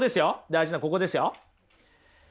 大事なここですよ。